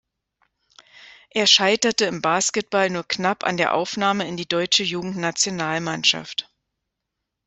Er scheiterte im Basketball nur knapp an der Aufnahme in die deutsche Jugendnationalmannschaft.